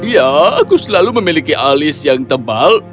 ya aku selalu memiliki alis yang tebal